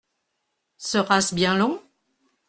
Sera-ce bien long ?